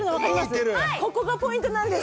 ここがポイントなんです。